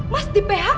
mas di phk